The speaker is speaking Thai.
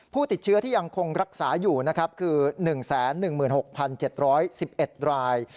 ผู้ติดเชื้อที่ยังคงรักษาอยู่นะครับคือ๑๑๖๗๑๑ราย